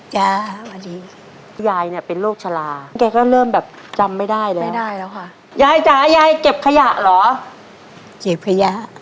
ยายจ๋ายายเก็บขยะเหรอ